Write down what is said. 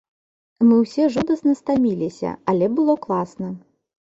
Мы ўсе жудасна стаміліся, але было класна.